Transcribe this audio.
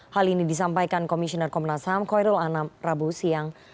hal ini disampaikan komisioner komnas ham khoirul anam rabu siang